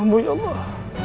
ampun ya allah